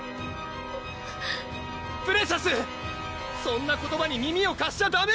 プレシャスそんな言葉に耳をかしちゃダメ！